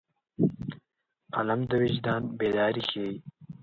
قلم د وجدان بیداري ښيي